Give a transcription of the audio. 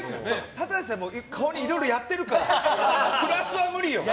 ただでさえ顔にいろいろやってるからプラスは無理よ！